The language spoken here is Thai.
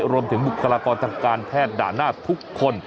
รวมถึงบุคลากรจังการแททย์ด่าหน้าทุกคน